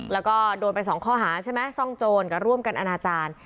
แล้วก็โดนไปสองข้อหาใช่ไหมซ่องโจรกับร่วมกันอนาจารย์